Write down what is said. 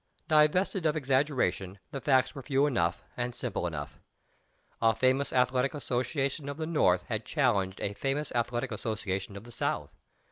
Divested of exaggeration, the facts were few enough and simple enough. A famous Athletic Association of the North had challenged a famous Athletic Association of the South.